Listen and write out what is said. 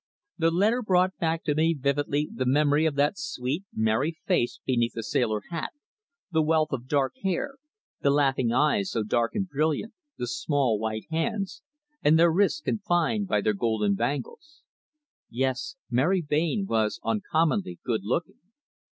The letter brought back to me vividly the memory of that sweet, merry face beneath the sailor hat, the wealth of dark hair, the laughing eyes so dark and brilliant, the small white hands, and their wrists confined by their golden bangles. Yes, Mary Blain was uncommonly good looking.